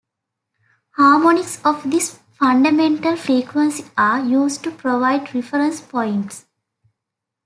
Harmonics of this fundamental frequency are used to provide reference points.